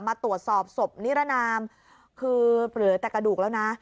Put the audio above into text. มาตรวจสอบศพนิรนามคือเหลือแต่กระดูกแล้วนะ